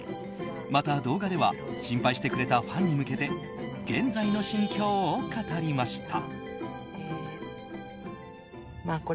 また、動画では心配してくれたファンに向けて現在の心境を語りました。